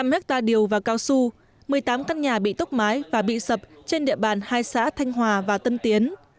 năm hectare điều và cao su một mươi tám căn nhà bị tốc mái và bị sập trên địa bàn hai xã thanh hòa và tân tiến